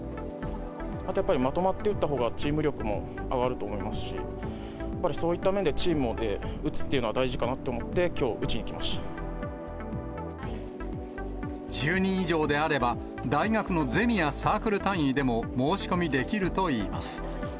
やっぱりまとまって打ったほうがチーム力も上がると思いますし、やっぱりそういった面で、チームで打つっていうのは大事かなと思って、きょう、打ちに来ま１０人以上であれば、大学のゼミやサークル単位でも申し込みできるといいます。